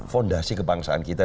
fondasi kebangsaan kita